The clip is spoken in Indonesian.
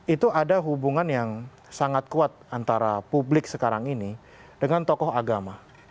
itu ada hubungan yang sangat kuat antara publik sekarang ini dengan tokoh agama